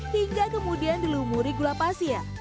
hingga kemudian dilumuri gula pasir